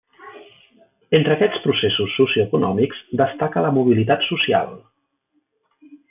Entre aquests processos socioeconòmics destaca la mobilitat social.